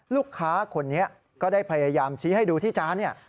ลูกค้าคนนี้ก็ได้พยายามชี้ให้ดูที่จานเนี่ย